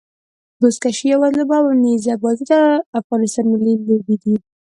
بزکشي يا وزلوبه او نيزه بازي د افغانستان ملي لوبي دي.